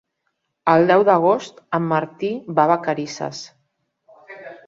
El deu d'agost en Martí va a Vacarisses.